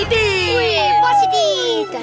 ketika dan positif